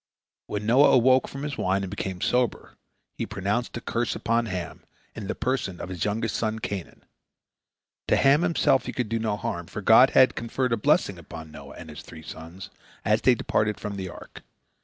When Noah awoke from his wine and became sober, he pronounced a curse upon Ham in the person of his youngest son Canaan. To Ham himself he could do no harm, for God had conferred a blessing upon Noah and his three sons as they departed from the ark.